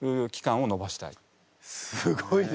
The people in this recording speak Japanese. すごいね。